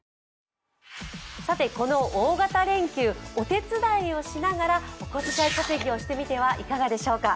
この大型連休、お手伝いをしながらお小遣い稼ぎをしてみてはいかがでしょうか。